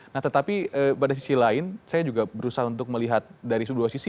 nah tetapi pada sisi lain saya juga berusaha untuk melihat dari dua sisi